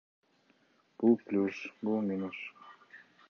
Бул плюс, бул минус.